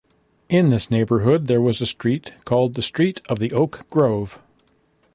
In this neighborhood there was a street called the Street of the Oak Grove.